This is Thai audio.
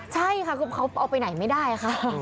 ใช่ค่ะคือเขาเอาไปไหนไม่ได้ค่ะ